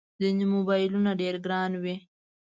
ځینې موبایلونه ډېر ګران وي.